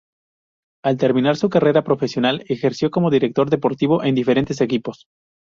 Al terminar su carrera profesional ejerció como director deportivo en diferentes equipos.